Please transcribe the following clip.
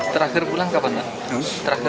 terakhir pulang kapan